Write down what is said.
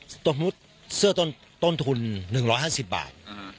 สมมุติเสื้อต้นทุน๑๕๐บาท